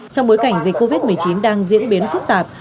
trong bối cảnh dịch covid một mươi chín đang diễn biến phức tạp